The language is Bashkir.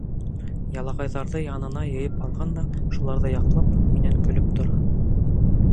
Ялағайҙарҙы янына йыйып алған да, шуларҙы яҡлап, минән көлөп тора.